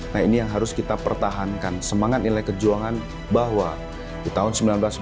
nah ini yang harus kita pertahankan semangat nilai kejuangan bahwa di tahun seribu sembilan ratus sembilan puluh lima